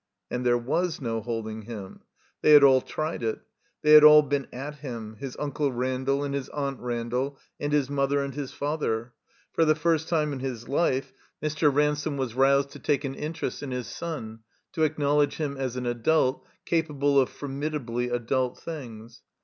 And there was no holding him. They had all tried it. They had all been at him; his Unde Randall and his Aunt Randall, and his mother and his father. For the first time in his life Mr. Ransome was roused to take an interest in 9 133 THE COMBINED MAZE his son, to acknowledge him as an adtilt, capable of formidably adtilt things.